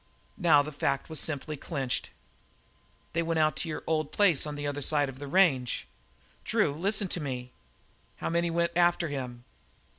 Now the fact was simply clinched. "They went out to your old place on the other side of the range. Drew, listen to me " "How many went after him?"